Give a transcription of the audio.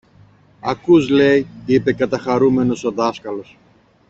Ακούς λέει! είπε καταχαρούμενος ο δάσκαλος.